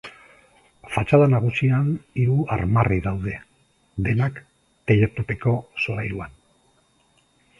Fatxada nagusian hiru armarri daude, denak teilatupeko solairuan.